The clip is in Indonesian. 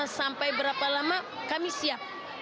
sampai berapa lama kami siap